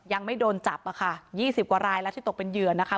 ยังไม่โดนจับอะค่ะ๒๐กว่ารายแล้วที่ตกเป็นเหยื่อนะคะ